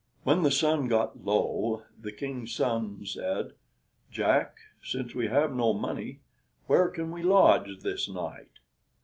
When the sun got low, the King's son said, "Jack, since we have no money, where can we lodge this night?"